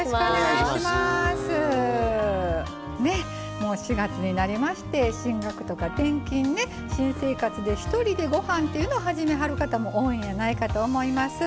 もう４月になりまして進学とか転勤ね新生活でひとりでごはんっていうのを始めはる方も多いんやないかと思います。